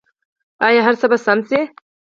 آیا هر څه به سم شي؟